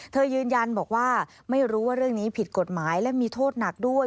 ยืนยันบอกว่าไม่รู้ว่าเรื่องนี้ผิดกฎหมายและมีโทษหนักด้วย